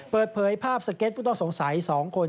เปิดเผยภาพสเก็ตผู้ต้องสงสัย๒คน